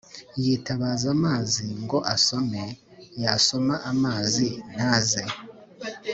yitabaza amazi ngo asome, yasoma amazi ntaze,